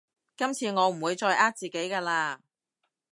今次我唔會再呃自己㗎喇